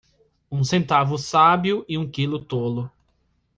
Um centavo sábio e um quilo tolo.